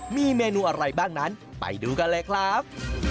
มีเมนูอะไรบ้างนั้นไปดูกันเลยครับ